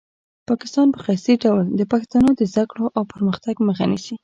پاکستان په قصدي ډول د پښتنو د زده کړو او پرمختګ مخه نیسي.